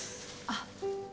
あっ。